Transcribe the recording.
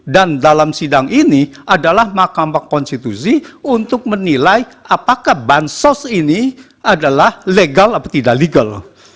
dan dalam sidang ini adalah makam konstitusi untuk menilai apakah bansos ini adalah legal atau tidak legal